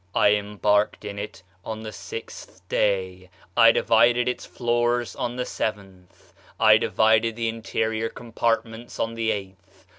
I embarked in it on the sixth day; I divided its floors on the seventh; I divided the interior compartments on the eighth.